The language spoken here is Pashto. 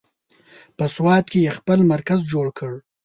په سوات کې یې خپل مرکز جوړ کړ.